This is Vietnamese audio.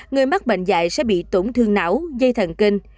người mắc bệnh dạy sẽ bị tổn thương não dây thần kinh